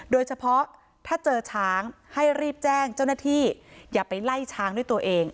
โดยเฉพาะถ้าเจอช้างให้รีบแจ้งเจ้าหน้าที่อย่าไปไล่ช้างด้วยตัวเอง